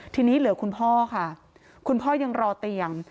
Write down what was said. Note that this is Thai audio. ทีนี้เหลือคุณพ่อค่ะคุณพ่อยังรอเตียง